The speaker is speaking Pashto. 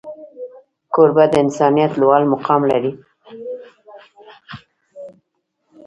کوربه د انسانیت لوړ مقام لري.